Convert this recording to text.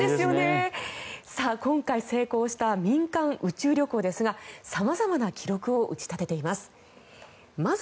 今回、成功した民間宇宙旅行ですが様々な記録を打ち立てています。